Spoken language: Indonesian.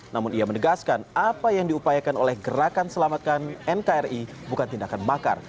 namun ia menegaskan apa yang diupayakan oleh gerakan selamatkan nkri bukan tindakan makar